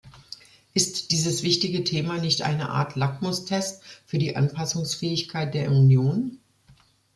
Ist dieses wichtige Thema nicht eine Art Lackmus-Test für die Anpassungsfähigkeit der Union?